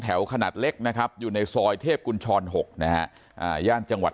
ขนาดเล็กนะครับอยู่ในซอยเทพกุญชร๖นะฮะย่านจังหวัด